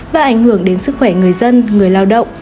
và ảnh hưởng đến sức khỏe người dân người lao động